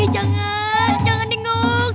jangan jangan nengok